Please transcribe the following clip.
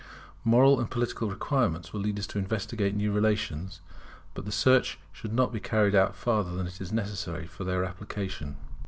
Moral and political requirements will lead us to investigate new relations; but the search should not be carried farther than is necessary for their application.